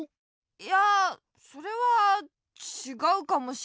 いやそれはちがうかもしれない。